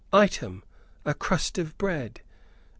Item, a crust of bread.